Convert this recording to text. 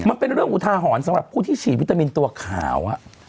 มันเป็นเรื่องอุทาหรณ์สำหรับผู้ที่ฉีดวิตามินตัวขาว